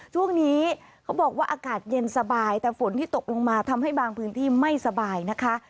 ช่วงนี้เขาบอกว่าอากาศเย็นสบายแต่ฝนที่ตกลงมาทำให้บางพื้นที่ไม่สบายนะคะ